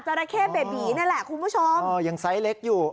ราเข้เบบีนี่แหละคุณผู้ชมเออยังไซส์เล็กอยู่